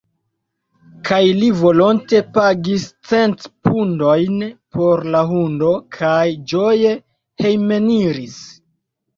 Kaj li volonte pagis cent pundojn por la hundo, kaj ĝoje hejmeniris.